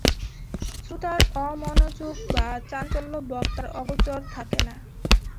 শ্রোতার অমনোযোগ বা চাঞ্চল্য বক্তার অগোচর থাকে না।